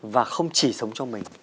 và không chỉ sống cho mình